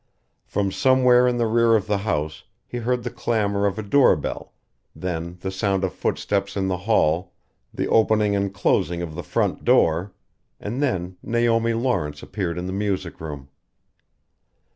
From somewhere in the rear of the house he heard the clamor of a doorbell, then the sound of footsteps in the hall, the opening and closing of the front door and then Naomi Lawrence appeared in the music room.